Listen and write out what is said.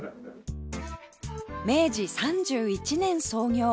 明治３１年創業